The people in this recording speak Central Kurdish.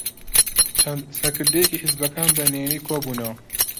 چەند سەرکردەیەکی حیزبەکان بەنهێنی کۆبوونەوە.